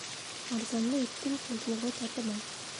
Арзанлы иттең тоҙлоғо татымай.